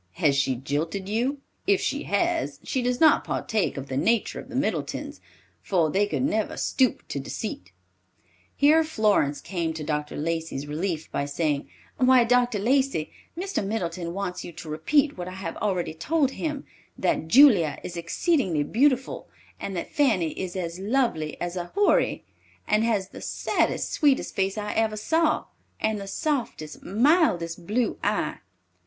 Has she jilted you? If she has, she does not partake of the nature of the Middletons, for they could never stoop to deceit." Here Florence came to Dr. Lacey's relief by saying, "Why, Dr. Lacey, Mr. Middleton wants you to repeat what I have already told him, that Julia is exceedingly beautiful and that Fanny is as lovely as a Houri, and has the saddest, sweetest face I ever saw, and the softest, mildest blue eye."